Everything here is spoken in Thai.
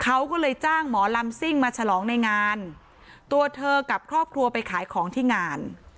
เขาก็เลยจ้างหมอลำซิ่งมาฉลองในงานตัวเธอกับครอบครัวไปขายของที่งาน